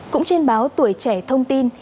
cũng trên báo tuổi trẻ thông tin